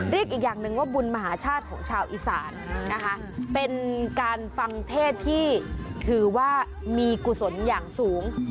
อีกอย่างหนึ่งว่าบุญมหาชาติของชาวอีสานนะคะเป็นการฟังเทศที่ถือว่ามีกุศลอย่างสูง